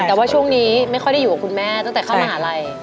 แต่ว่าช่วงนี้ไม่ค่อยได้อยู่กับคุณแม่ตั้งแต่เข้ามหาลัย